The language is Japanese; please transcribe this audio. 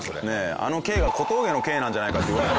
あの「Ｋ」が小峠の「Ｋ」なんじゃないかって噂も。